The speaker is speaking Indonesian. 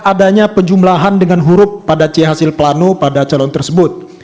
adanya pejumlahan dengan huruf pada c hasil plano pada calon tersebut